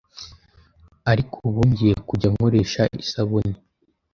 ariko ubu ngiye kujya nkoresha isabuni.